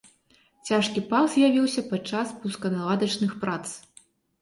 Цяжкі пах з'явіўся падчас пусканаладачных прац.